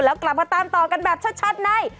แล้วกลับมาตามต่อกันแบบชัดใน